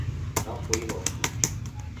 Napoilwa shuu.